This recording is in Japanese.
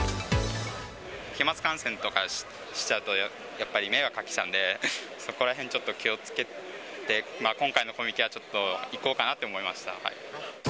飛まつ感染とかしちゃうと、やっぱり迷惑かけちゃうんで、そこらへんちょっと気をつけて、今回のコミケはちょっと行こうかなって思いました。